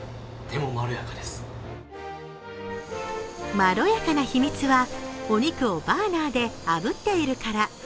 まろやかな避密はお肉をバーナーであぶっているから。